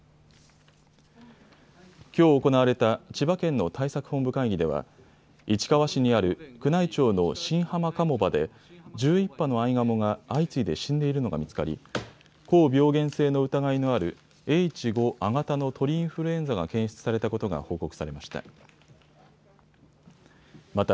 きょう行われた千葉県の対策本部会議では市川市にある宮内庁の新浜鴨場で１１羽のアイガモが相次いで死んでいるのが見つかり高病原性の疑いのあるＨ５亜型の鳥インフルエンザが検出されたことが報告されました。